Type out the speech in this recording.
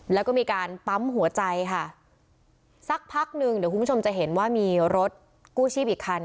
แล้วก็มีการปั๊มหัวใจค่ะสักพักหนึ่งเดี๋ยวคุณผู้ชมจะเห็นว่ามีรถกู้ชีพอีกคัน